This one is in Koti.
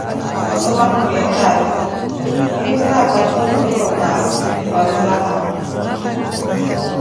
Osoma khuna etaati, mwinyi otule apattha ototthoro paasi wa nzahavo.